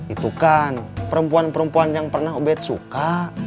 itu kan perempuan perempuan yang pernah ubed suka